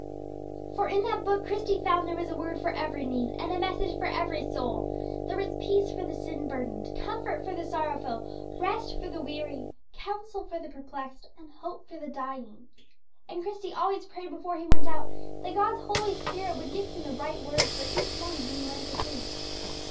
For in that book Christie found there was a word for every need, and a message for every soul. There was peace for the sin burdened, comfort for the sorrowful, rest for the weary, counsel for the perplexed, and hope for the dying. And Christie always prayed before he went out that God's Holy Spirit would give him the right word for each one whom he went to see.